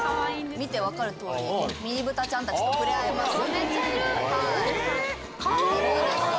見て分かるとおり、ミニブタちゃんたちと触れ合えるカフェ。